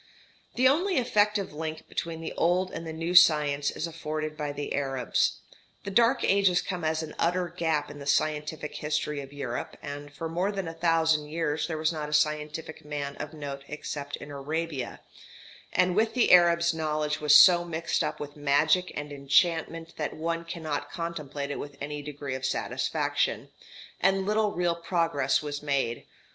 The only effective link between the old and the new science is afforded by the Arabs. The dark ages come as an utter gap in the scientific history of Europe, and for more than a thousand years there was not a scientific man of note except in Arabia; and with the Arabs knowledge was so mixed up with magic and enchantment that one cannot contemplate it with any degree of satisfaction, and little real progress was made.